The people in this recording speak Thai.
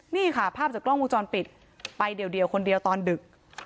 นี่ค่ะภาพจากกล้องวงจรปิดไปเดี๋ยวคนเดียวตอนดึก